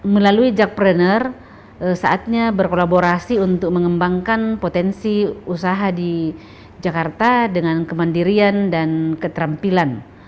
melalui jackpreneur saatnya berkolaborasi untuk mengembangkan potensi usaha di jakarta dengan kemandirian dan keterampilan